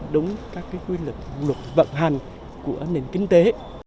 đúng các cái quy luật vận hành của nền kinh tế